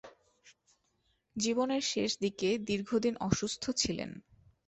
জীবনের শেষদিকে দীর্ঘদিন অসুস্থ ছিলেন।